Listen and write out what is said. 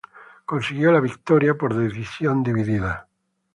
Consiguió la victoria por decisión dividida.